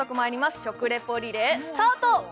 食レポリレースタート。